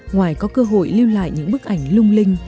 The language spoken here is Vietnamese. ngoài có cơ hội lưu lại những bức ảnh lung linh